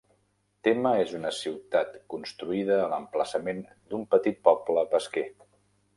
Tema és una ciutat construïda a l'emplaçament d'un petit poble pesquer.